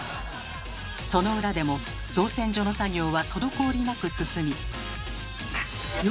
その裏でも造船所の作業は滞りなく進み。